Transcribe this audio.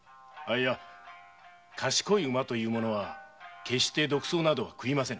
賢い馬というものは決して毒草など食いませぬ。